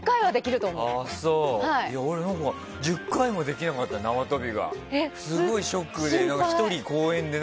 俺、１０回もできなかったからすごいショックで。